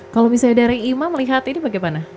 kalau misalnya dari imam lihat ini bagaimana